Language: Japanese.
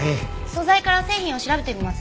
素材から製品を調べてみます。